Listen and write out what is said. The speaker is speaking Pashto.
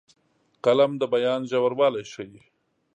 قلم د بیان ژوروالی ښيي